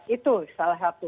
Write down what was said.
itu salah satu